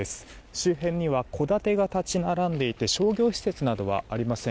周辺には戸建てが立ち並んでいて商業施設などはありません。